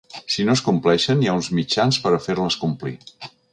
Si no es compleixen hi ha uns mitjans per a fer-les complir.